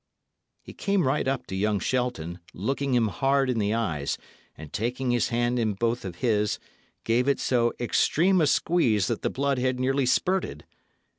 He came right up to young Shelton, looking him hard in the eyes, and taking his hand in both of his, gave it so extreme a squeeze that the blood had nearly spurted.